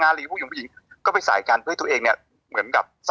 อ้าวแล้วก็เลยกลายเป็นประเด็นนี้ขึ้นมา